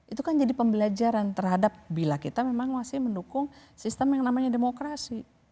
itu kan jadi pembelajaran terhadap bila kita memang masih mendukung sistem yang namanya demokrasi